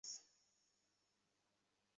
আরে লাস্ট বেঞ্চে বসা ঐ লোপার!